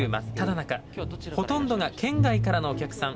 ほとんどが県外からのお客さん。